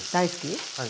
はい。